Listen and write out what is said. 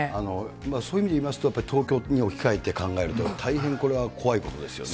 そういう意味で言いますと、東京に置き換えて考えると、大変、これは怖いことですよね。